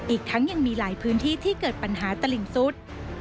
อีกทั้งยังมีหลายพื้นที่ที่เกิดปัญหาตลิ่งสุด